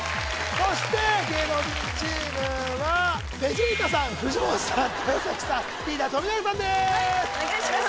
そして芸能人チームはベジータさん藤本さん豊崎さんリーダー・富永さんです・お願いします